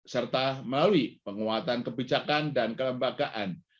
serta melalui penguatan kebijakan dan kelembagaan